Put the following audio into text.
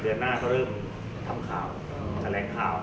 เดือนหน้าเขาเริ่มทำข่าวแถลงข่าว